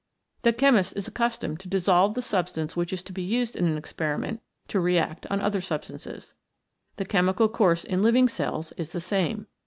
The chemist is accustomed to dissolve the substance which is to be used in an experiment to react on other substances. The chemical course in living cells is the same.